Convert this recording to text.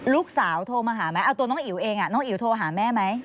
โทรมาหาไหมเอาตัวน้องอิ๋วเองน้องอิ๋วโทรหาแม่ไหม